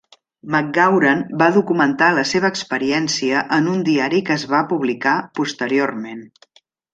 McGauran va documentar la seva experiència en un diari que es va publicar posteriorment.